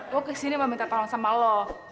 lo kesini mau minta tolong sama lo